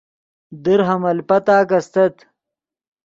در حمل پتاک استت